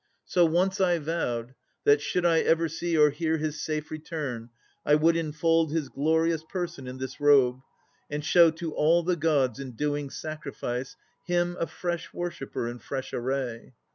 So once I vowed, that should I ever see Or hear his safe return, I would enfold His glorious person in this robe, and show To all the Gods in doing sacrifice Him a fresh worshipper in fresh array.